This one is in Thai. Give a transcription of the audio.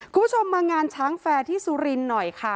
คุณผู้ชมมางานช้างแฟร์ที่สุรินทร์หน่อยค่ะ